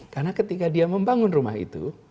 karena ketika dia membangun rumah itu